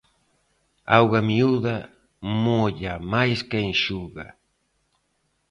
Auga miúda, molla máis que enxuga.